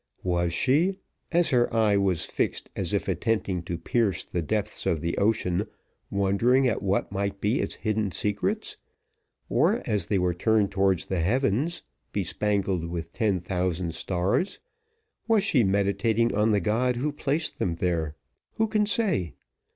Was she, as her eye was fixed as if attempting to pierce the depths of the ocean, wondering at what might be its hidden secrets, or as they were turned towards the heavens, bespangled with ten thousand stars, was she meditating on the God who placed them there? Who can say?